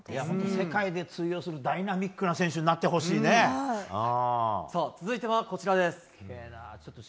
世界で通用するダイナミックな選手に続いてはこちらです。